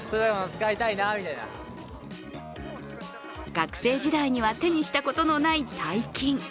学生時代には手にしたことのない大金。